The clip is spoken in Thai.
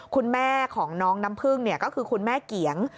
คุณแม่ของน้องน้ำพึ่งก็คือคุณแม่เกียง